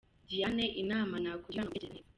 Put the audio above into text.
Diane inama nakugira ni ugutekereza neza.